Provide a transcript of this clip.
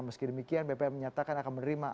meski demikian bpn menyatakan akan menerima